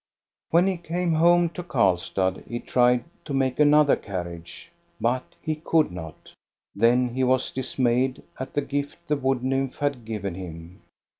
When he came home to Karlstad he tried to make another carriage. But he could not. Then he was dismayed at the gift the wood nymph had given him.